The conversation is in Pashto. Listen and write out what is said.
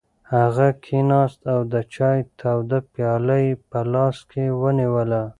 هغه کېناست او د چای توده پیاله یې په لاس کې ونیوله.